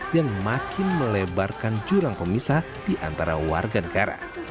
yang makin melebarkan jurang pemisah di antara warga negara